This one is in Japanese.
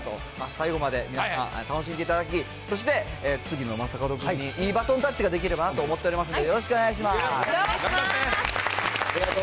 最後まで皆さん、楽しんでいただき、そして次の正門君にいいバトンタッチができればなと思っておりま頑張って。